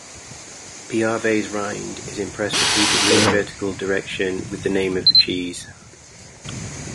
Piave's rind is impressed repeatedly in vertical direction with the name of the cheese.